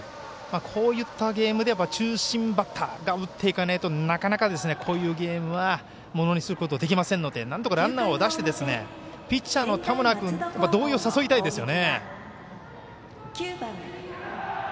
こういったゲームでは中心バッターが打っていかないとなかなかこういうゲームはものにすることはできませんのでなんとかランナーを出してピッチャーの田村君の動揺を誘いたいですよね。